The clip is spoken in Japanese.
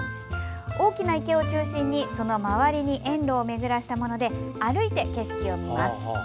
大きな池を中心にその周りに園路を巡らせたもので歩いて景色を見ます。